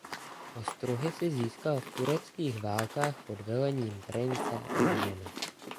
Ostruhy si získal v tureckých válkách pod velením prince Evžena.